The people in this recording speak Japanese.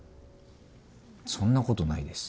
そんなことないです。